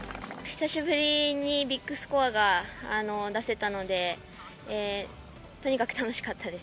久しぶりにビッグスコアが出せたので、とにかく楽しかったです。